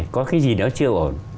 có cái gì đó chưa ổn